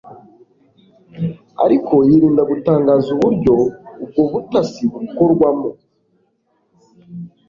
ariko yirinda gutangaza uburyo ubwo butasi bukorwamo.